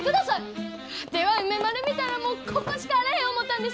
ワテは梅丸見たらもうここしかあらへん思たんです！